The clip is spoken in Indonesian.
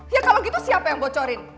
ya kalau gitu siapa yang bocorin